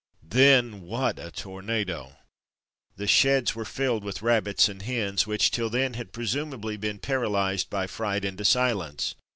Then, what a tornado! The sheds were filled with rabbits and hens, which, till then, had presumably been para lysed by fright into silence.